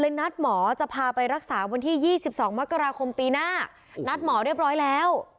นัดหมอจะพาไปรักษาวันที่๒๒มกราคมปีหน้านัดหมอเรียบร้อยแล้ว